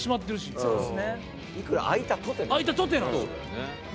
そうっすね。